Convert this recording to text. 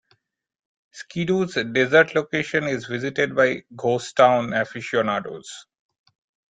Skidoo's desert location is visited by ghost town aficionados.